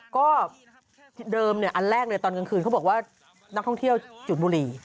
ก็เดิมอันแรกเลยตอนกลางคืนเขาบอกว่านักท่องเที่ยวจุดบุหรี่